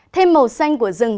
thêm màu xanh của rừng